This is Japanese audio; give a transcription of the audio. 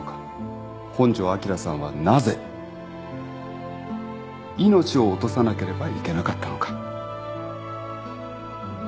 本庄昭さんはなぜ命を落とさなければいけなかったのか。